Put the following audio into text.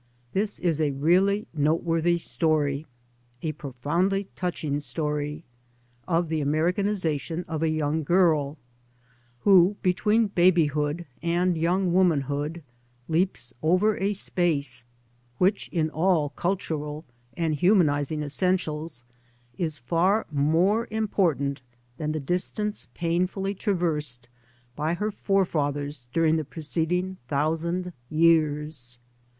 This is a really noteworthy story — a pro foundly touching story — of the Americaniz ing of a young girl, who between baby hood and young womanhood leaps over a space which in all cultural and humanizing essentials is far more important than the dis tance painfully traversed by her fore fathers during the preceding thousand years.